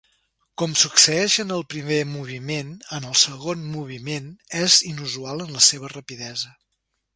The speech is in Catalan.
Com succeeix en el primer moviment, el segon moviment és inusual en la seva rapidesa.